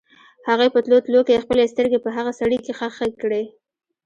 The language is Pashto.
هغې په تلو تلو کې خپلې سترګې په هغه سړي کې ښخې کړې.